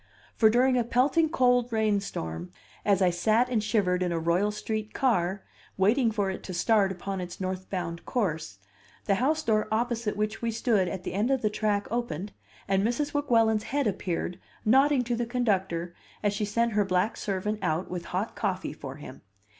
For during a pelting cold rainstorm, as I sat and shivered in a Royal Street car, waiting for it to start upon its north bound course, the house door opposite which we stood at the end of the track opened, and Mrs. Weguelin's head appeared, nodding to the conductor as she sent her black servant out with hot coffee for him!